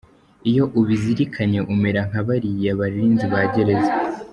Iyo ubizirikanye umera nka bariya barinzi ba gereza.